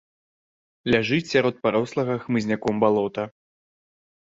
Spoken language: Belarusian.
Ляжыць сярод парослага хмызняком балота.